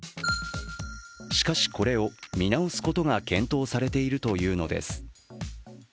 しかしこれを見直すことが検討されているというのです。